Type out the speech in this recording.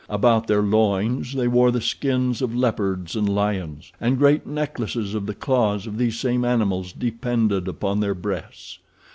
About their loins they wore the skins of leopards and lions, and great necklaces of the claws of these same animals depended upon their breasts.